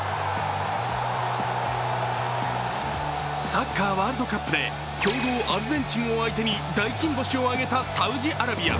サッカーワールドカップで強豪アルゼンチンを相手に大金星を挙げたサウジアラビア。